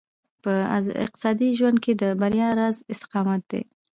په اقتصادي ژوند کې د بريا راز استقامت دی.